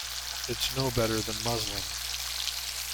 It’s no better than muslin.